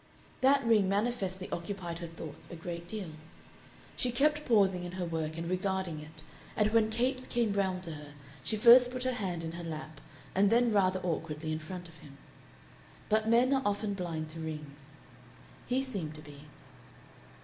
That ring manifestly occupied her thoughts a great deal. She kept pausing in her work and regarding it, and when Capes came round to her, she first put her hand in her lap and then rather awkwardly in front of him. But men are often blind to rings. He seemed to be.